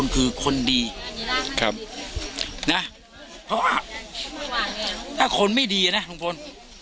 คือคนดีนะเพราะว่าถ้าคนไม่ดีนะลุงพล